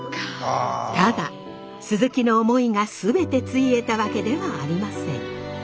ただ鈴木の思いが全てついえたわけではありません。